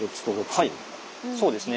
はいそうですね。